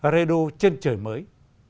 redo trên trời mới